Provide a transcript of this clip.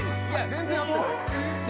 全然合ってない。